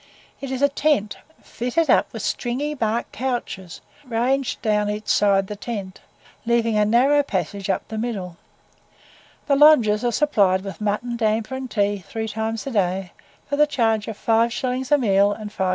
It is a tent fitted up with stringy bark couches, ranged down each side the tent, leaving a narrow passage up the middle. The lodgers are supplied with mutton, damper, and tea, three times a day, for the charge of 5s. a meal, and 5s.